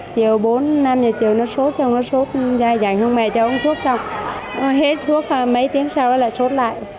chiều bốn năm giờ chiều nó sốt cho nó sốt dành hương mẹ cho nó sốt xong hết sốt mấy tiếng sau là sốt lại